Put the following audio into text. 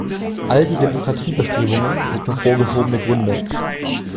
All die Demokratiebestrebungen sind nur vorgeschobene Gründe.